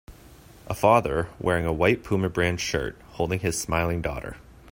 A father, wearing a white puma brand shirt, holding his smiling daughter.